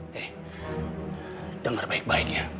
hei dengar baik baiknya